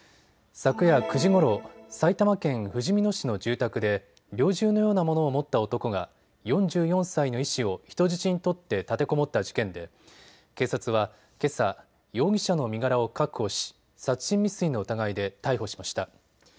昨夜９時ごろ、埼玉県ふじみ野市の住宅で猟銃のようなものを持った男が４４歳の医師を人質に取って立てこもった事件で警察はけさ容疑者の身柄を確保し殺人未遂の疑いで逮捕しました。